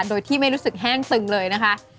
โดยที่ไม่รู้สึกแห้งตึงเลยนะคะ